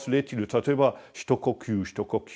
例えば一呼吸一呼吸。